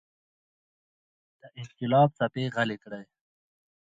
د انقلاب څپې غلې کړي.